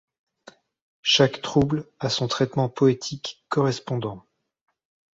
Chaque trouble a son traitement poétique correspondant.